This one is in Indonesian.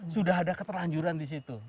sudah ada keterlanjuran di situ